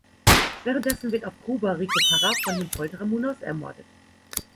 Währenddessen wird auf Kuba Rico Parra von dem Folterer Munoz ermordet.